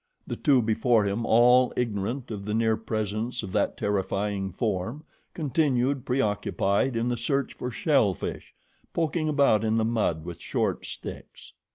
The two before him, all ignorant of the near presence of that terrifying form, continued preoccupied in the search for shellfish, poking about in the mud with short sticks.